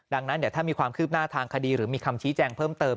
ดังนั้นเดี๋ยวถ้ามีความคืบหน้าทางคดีหรือมีคำชี้แจงเพิ่มเติม